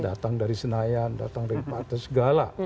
datang dari senayan datang dari pate segala